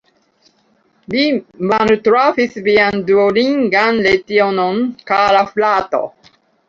Vi maltrafis vian duolingan lecionon, kara frato.